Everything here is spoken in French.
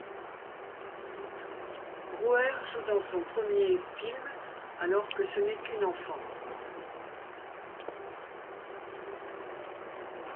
Brewer joue dans son premier film alors que ce n'est qu'une enfant.